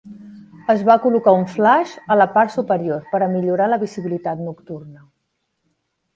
Es va col·locar un flaix a la part superior per a millorar la visibilitat nocturna.